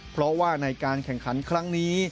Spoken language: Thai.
เพราะว่าในการแข่งขันครั้งนี้